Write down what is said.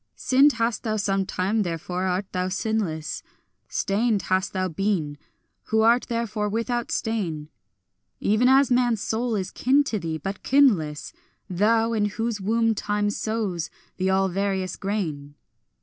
Sinned hast thou sometime, therefore art thou sinless; Stained hast thou been, who art therefore without stain; Even as man's soul is kin to thee, but kinless Thou, in whose womb Time sows the all various grain.